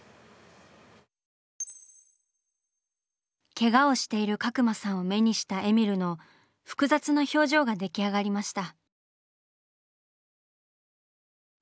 ケガをしている角間さんを目にしたえみるの複雑な表情が出来上がりました。